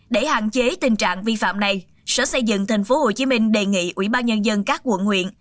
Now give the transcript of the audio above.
để hạn chế tình trạng vi phạm này sở xây dựng tp hcm đề nghị ubnd các quận huyện